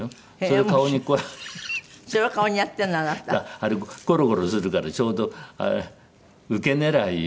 あれコロコロするからちょうどウケ狙いよ。